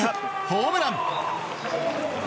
ホームラン。